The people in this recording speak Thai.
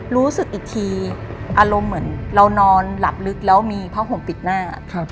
รู้สึกอีกทีอารมณ์เหมือนเรานอนหลับลึกแล้วมีผ้าห่มปิดหน้า